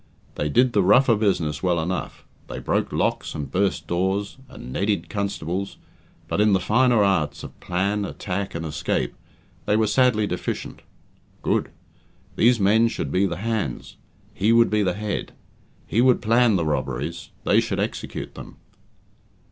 They did the rougher business well enough; they broke locks, and burst doors, and "neddied" constables, but in the finer arts of plan, attack, and escape, they were sadly deficient. Good. These men should be the hands; he would be the head. He would plan the robberies; they should execute them.